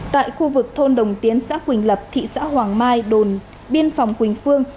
tại khu vực thôn đồng tiến xã quỳnh lập thị xã hoàng mai đồn biên phòng quỳnh phương